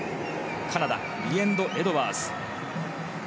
カナダ、リエンド・エドワーズ。